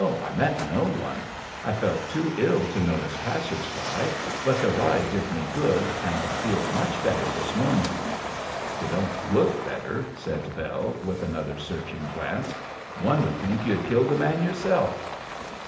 I met no one. I felt too ill to notice passers by, but the ride did me good, and I feel much better this morning.' 'You don't look better,' said Bell, with another searching glance. 'One would think you had killed the man yourself!'